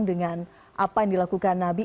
dengan apa yang dilakukan nabi